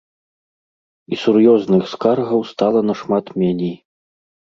І сур'ёзных скаргаў стала нашмат меней.